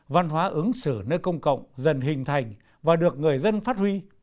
văn hóa ứng xử nơi công cộng dần hình thành và được người dân phát huy